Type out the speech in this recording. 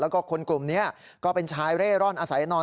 แล้วก็คนกลุ่มนี้ก็เป็นชายเร่ร่อนอาศัยนอน